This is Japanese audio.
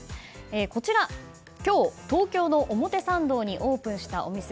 こちら、今日東京の表参道にオープンしたお店。